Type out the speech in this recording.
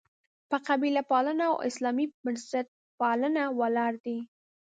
په «قبیله پالنه» او «اسلامي بنسټپالنه» ولاړ دي.